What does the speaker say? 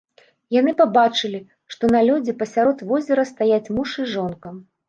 Яны пабачылі, што на лёдзе пасярод возера стаяць муж і жонка.